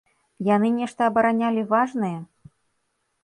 Яны нешта абаранялі важнае?